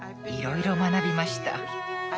いろいろ学びました。